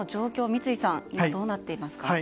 三井さん、どうなっていますか。